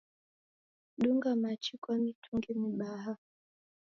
Dunga machi kwa mitungi mibaha